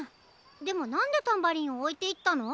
でもなんでタンバリンをおいていったの？